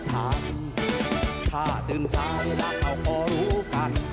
ถ้าตื่นสายแล้วเราก็รู้กัน